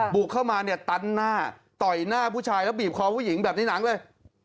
บุกเข้ามาเนี่ยตันหน้าต่อยหน้าผู้ชายแล้วบีบคอผู้หญิงแบบในหนังเลย